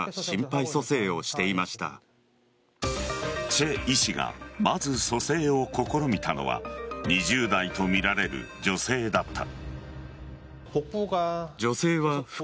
チェ医師がまず蘇生を試みたのは２０代とみられる女性だった。